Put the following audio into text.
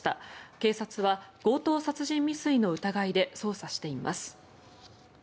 警察は強盗殺人未遂の疑いで捜査しています。